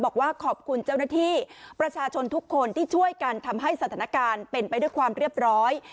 บอกว่าขอบคุณเจ้าหน้าที่ประชาชนทุกคนที่ช่วยกันทำให้สถานการณ์เป็นไปด้วยความเรียบร้อย